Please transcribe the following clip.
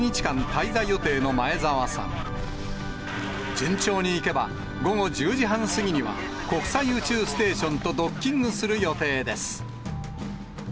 順調にいけば、午後１０時半過ぎには、国際宇宙ステーションとドッキングする予定です。